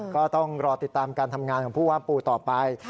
ก็ต้องรอติดตามการทำงานของผู้ว่าปูต่อไป